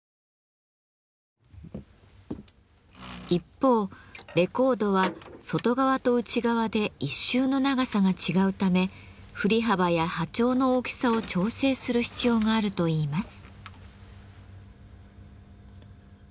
一方レコードは外側と内側で１周の長さが違うため振り幅や波長の大きさを調整する必要があるといいます。